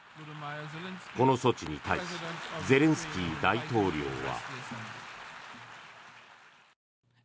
この措置に対しゼレンスキー大統領は。